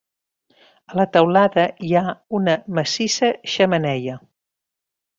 A la teulada hi ha una massissa xemeneia.